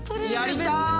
やりたい！